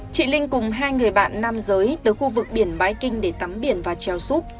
chị linh cùng hai người bạn nam giới tới khu vực biển bãi kinh để tắm biển và treo súp